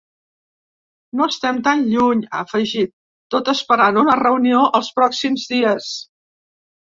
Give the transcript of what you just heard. No estem tan lluny, ha afegit, tot esperant una reunió els pròxims dies.